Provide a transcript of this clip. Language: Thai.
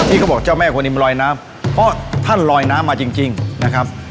เขาบอกเจ้าแม่คนนี้มันลอยน้ำเพราะท่านลอยน้ำมาจริงนะครับ